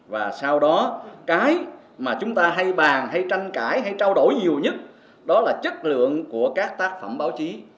và sau đó cái mà chúng ta hay bàn hay tranh cãi hay trao đổi nhiều nhất đó là chất lượng của các tác phẩm báo chí